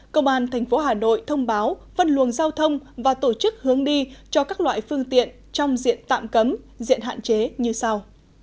công an tp hà nội thông báo phân luồng giao thông và tổ chức hướng đi cho các loại phương tiện trong diện tạm cấm diện hạn chế như sau